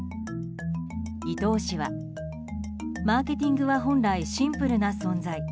伊東氏は、マーケティングは本来シンプルな存在。